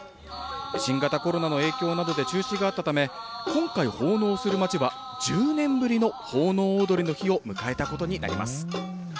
新型コロナの影響などで中止があったため、今回、奉納する町は１０年ぶりの奉納踊の日を迎えたことになります。